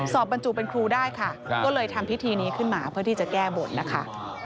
บรรจุเป็นครูได้ค่ะก็เลยทำพิธีนี้ขึ้นมาเพื่อที่จะแก้บทนะคะ